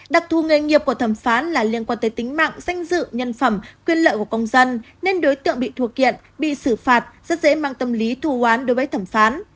đặc thù nghề nghiệp của thẩm phán là liên quan tới tính mạng danh dự nhân phẩm quyền lợi của công dân nên đối tượng bị thuộc kiện bị xử phạt rất dễ mang tâm lý thù hoán đối với thẩm phán